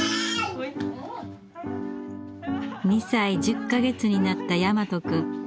２歳１０か月になった大和くん。